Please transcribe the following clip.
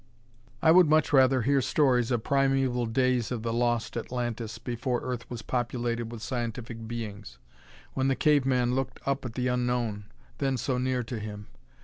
I would much rather hear stories of primeval days of the lost Atlantis before Earth was populated with scientific beings, when the cave man looked up at the unknown, then so near to him.